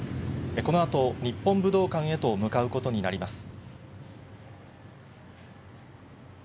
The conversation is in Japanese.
このあと、日本武道館へと向かうことになります。